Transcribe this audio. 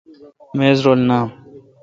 میز رل نام۔